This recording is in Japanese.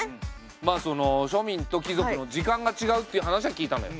まあその庶民と貴族の時間がちがうっていう話は聞いたのよ。